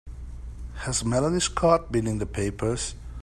Has Melanie Scott been in the papers?